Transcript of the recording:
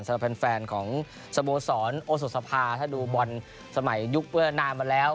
สำหรับแฟนของสโมสรโอสดสภาถ้าดูบอลสมัยยุคเมื่อนานมาแล้ว